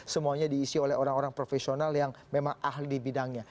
semuanya diisi oleh orang orang profesional yang memang ahli di bidangnya